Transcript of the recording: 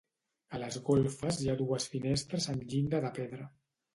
A les golfes hi ha dues finestres amb llinda de pedra.